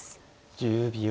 １０秒。